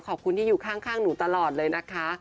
ขอบคุณที่อยู่ข้างหนูตลอดเลยนะคะ